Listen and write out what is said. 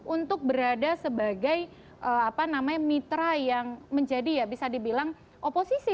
untuk berada sebagai mitra yang menjadi ya bisa dibilang oposisi